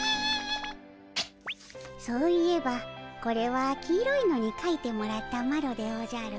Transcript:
そういえばこれは黄色いのにかいてもらったマロでおじゃる。